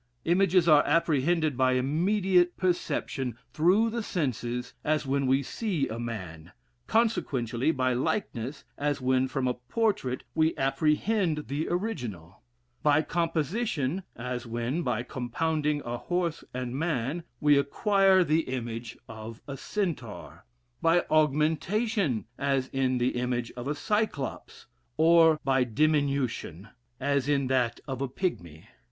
Images are apprehended by immediate perception, through the senses, as when we see a man; consequentially, by likeness, as when from a portrait we apprehend the original; by composition, as when, by compounding a horse and man, we acquire the image of a Centaur; by augmentation, as in the image of a Cyclops; or by diminution, as in that of a pigmy.